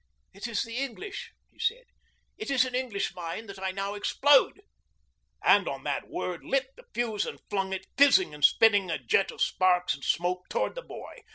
'It is the English,' he said. 'It is an English mine that I now explode,' and, on the word, lit the fuse and flung it, fizzing and spitting a jet of sparks and smoke, towards the boy.